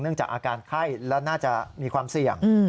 เนื่องจากอาการไข้แล้วน่าจะมีความเสี่ยง